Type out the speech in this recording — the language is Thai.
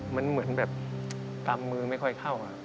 มันเหมือนแบบกำมือไม่ค่อยเข้า